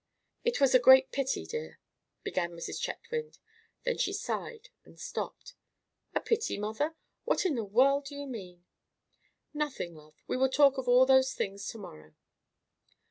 "It was a great pity, dear," began Mrs. Chetwynd; then she sighed and stopped. "A pity, mother? What in the world do you mean?" "Nothing, love; we will talk of all those things to morrow."